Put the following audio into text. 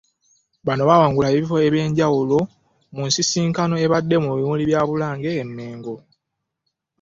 Bano abaawangula ebifo eby'enjawulo mu nsisinkano ebadde mu bimuli bya Bulange e Mmengo.